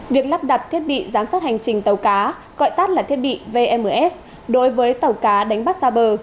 việc lắp đặt thiết bị giám sát hành trình tàu cá gọi tắt là thiết bị vms đối với tàu cá đánh bắt xa bờ